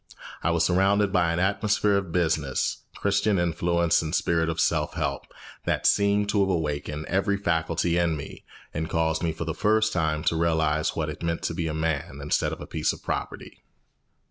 I was surrounded by an atmosphere of business, Christian influence, and spirit of self help, that seemed to have awakened every faculty in me, and caused me for the first time to realise what it meant to be a man instead of a piece of property.